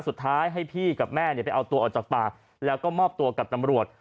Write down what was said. สุดท้ายให้พี่กับแม่ไปเอาตัวออกจากปากแล้วก็มอบตัวกับตำรวจ